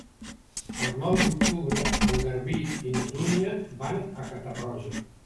El nou d'octubre en Garbí i na Dúnia van a Catarroja.